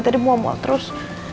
tadi mau mau terus